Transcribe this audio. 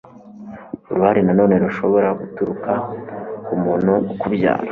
Uruhara nanone rushobora guturuka ku muntu ukubyara